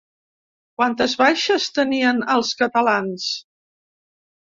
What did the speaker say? Quantes baixes tenien els catalans?